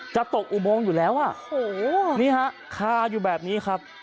จะตกอุโมงอยู่แล้วอ่ะโอ้โหนี่ฮะคาอยู่แบบนี้ครับ